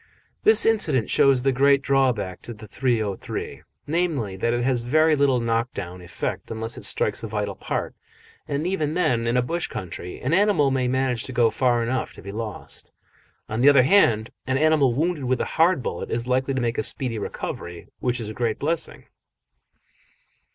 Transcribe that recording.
This incident shows the great drawback to the .303 namely, that it has very little knock down effect unless it strikes a vital part; and even then, in a bush country, an animal may manage to go far enough to be lost. On the other hand, an animal wounded with a hard bullet is likely to make a speedy recovery, which is a great blessing.